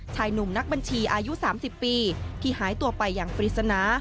ชายหนุ่มนักบัญชีอายุ๓๐ปีที่หายตัวไปอย่างปริศนา